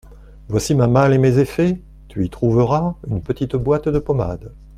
Voici ma malle et mes effets ; tu y trouveras une petite boîte de pommade.